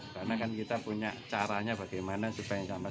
karena kan kita punya caranya bagaimana supaya sampah